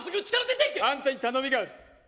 あんたに頼みがある！